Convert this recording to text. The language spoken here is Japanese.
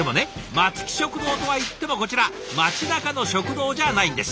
「松木食堂」とはいってもこちら街なかの食堂じゃないんです。